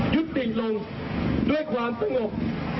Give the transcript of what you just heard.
ยุดติดลงด้วยความประงบ